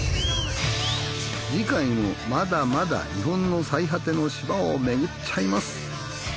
次回もまだまだ日本の最果ての島をめぐっちゃいます。